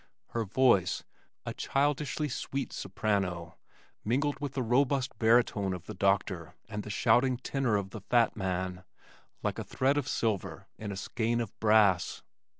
Her voice, a childishly sweet soprano, mingled with the robust baritone of the doctor and the shouting tenor of the fat man, like a thread of silver in a skein of brass.